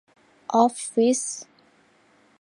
ออฟฟิศ